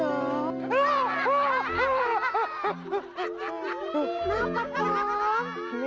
mau kueh yang mana tom